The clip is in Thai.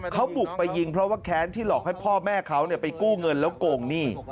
เขาบุกไปยิงเพราะว่าแค้นที่หลอกให้พ่อแม่เขาไปกู้เงินแล้วโกงหนี้